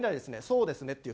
「そうですね」って